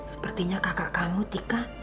sepertinya kakak kamu tika